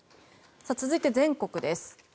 続いて全国です。